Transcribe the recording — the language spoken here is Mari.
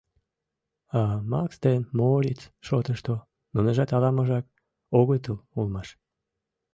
А Макс ден Моориц шотышто — нуныжат ала-можак огытыл улмаш.